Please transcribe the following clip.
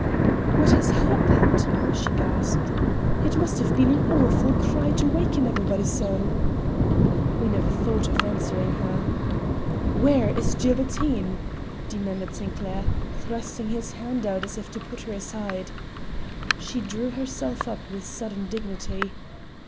"What has happened?" she gasped. "It must have been an awful cry to waken everybody so!" We never thought of answering her. "Where is Gilbertine?" demanded Sinclair, thrusting his hand out as if to put her aside. She drew herself up with sudden dignity.